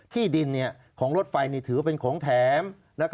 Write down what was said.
ขี้ดินของรถไฟนี่ถือเป็นของแถม